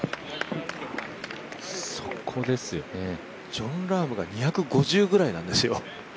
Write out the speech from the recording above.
ジョン・ラームが２５０くらいなんですよ。